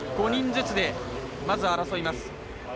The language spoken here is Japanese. ５人ずつで、まず争います。